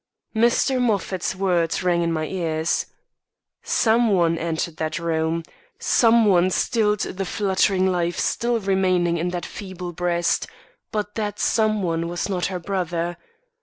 Mr. Moffat's words rang in my ears: "Some one entered that room; some one stilled the fluttering life still remaining in that feeble breast; but that some one was not her brother.